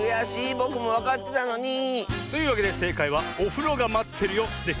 ぼくもわかってたのに！というわけでせいかいは「おふろがまってるよ」でした。